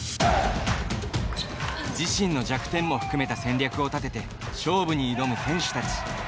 自身の弱点も含めた戦略を立てて勝負に挑む選手たち。